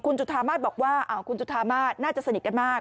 คุณจุธามาศบอกว่าคุณจุธามาศน่าจะสนิทกันมาก